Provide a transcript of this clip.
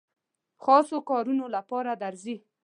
خاصو کارونو لپاره درځي.